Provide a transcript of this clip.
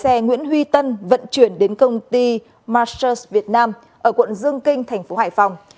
xe nguyễn huy tân vận chuyển đến công ty masters việt nam ở quận dương kinh thành phố hải phòng